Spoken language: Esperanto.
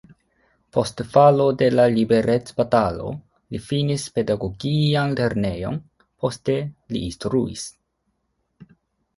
Post falo de la liberecbatalo li finis pedagogian lernejon, poste li instruis.